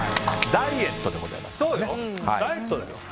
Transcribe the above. ダイエットでございます。